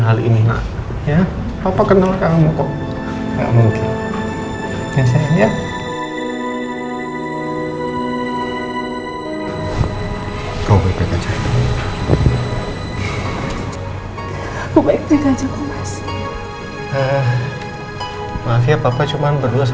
kalau kamu udah selingkuh